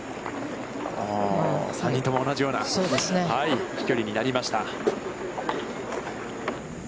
３人とも同じような飛距離になりました。